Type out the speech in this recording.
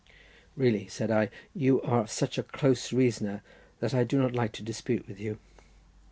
"Really," said I, "you are such a close reasoner, that I do not like to dispute with you.